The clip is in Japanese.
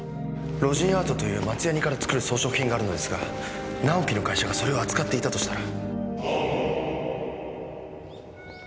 ロジンアートという松ヤニから作る装飾品があるのですが直樹の会社がそれを扱っていたとしたら。